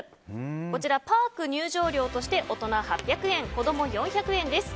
こちらパーク入場料として大人８００円子供４００円です。